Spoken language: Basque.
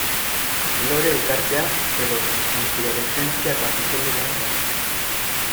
Lore-elkartea edo infloreszentzia kapitulu bat da.